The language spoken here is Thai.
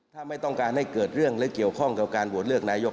ถ้าไม่ต้องการให้เกิดเรื่องหรือเกี่ยวข้องกับการโหวตเลือกนายก